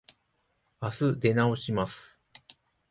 あす出直します。